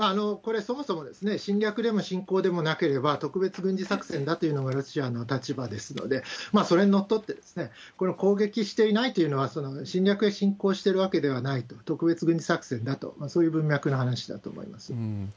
これ、そもそも侵略でも侵攻でもなければ、特別軍事作戦だというのがロシアの立場ですので、それにのっとって、これは攻撃していないというのは、侵略や侵攻しているわけではないと、特別軍事作戦だと、そういう文脈の話だと思います。